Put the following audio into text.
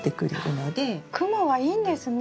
クモはいいんですね。